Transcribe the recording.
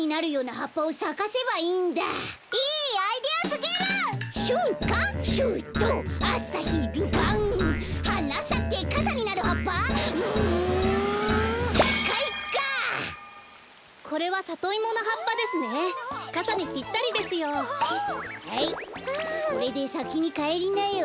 はいこれでさきにかえりなよ。